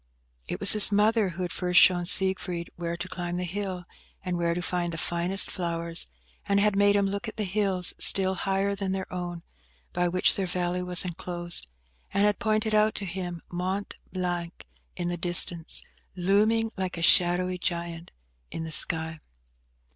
It was his mother who had first shown Siegfried where to climb the hill, and where to find the finest flowers; and had made him look at the hills still higher than their own, by which their valley was enclosed, and had pointed out to him Mont Blanc in the distance, looming like a shadowy giant in the sky.